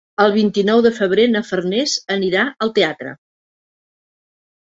El vint-i-nou de febrer na Farners anirà al teatre.